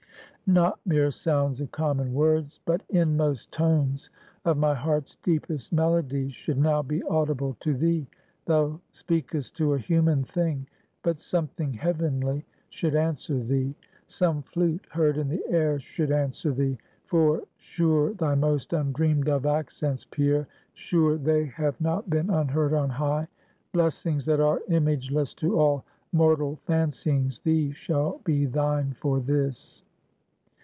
"Not mere sounds of common words, but inmost tones of my heart's deepest melodies should now be audible to thee. Thou speakest to a human thing, but something heavenly should answer thee; some flute heard in the air should answer thee; for sure thy most undreamed of accents, Pierre, sure they have not been unheard on high. Blessings that are imageless to all mortal fancyings, these shall be thine for this."